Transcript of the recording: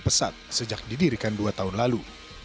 pesat sejak didirikan dua tahun lalu